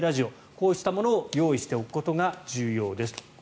こうしたものを用意しておくことが重要です。